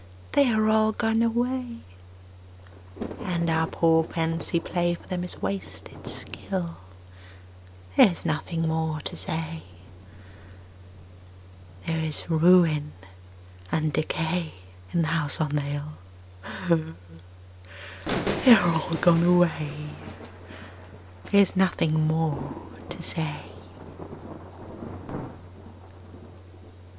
They are all gone away. And our poor fancy play For them is wasted skill: There is nothing more to say. There is ruin and decay In the House on the Hill They are all gone away, There is nothing more to say.